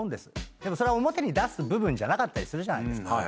でもそれは表に出す部分じゃなかったりするじゃないですか。